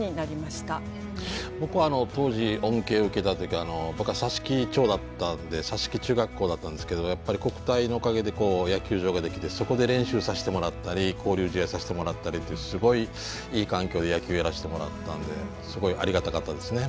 僕当時恩恵を受けたというか僕は佐敷町だったんで佐敷中学校だったんですけどやっぱり国体のおかげで野球場ができてそこで練習させてもらったり交流試合させてもらったりっていうすごいいい環境で野球やらしてもらったんですごいありがたかったですね